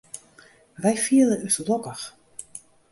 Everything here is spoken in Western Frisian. Wy fiele ús lokkich.